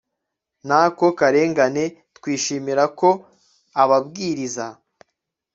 n ako karengane twishimira ko ababwiriza